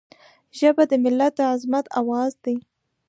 ژبه د ملت د عظمت آواز دی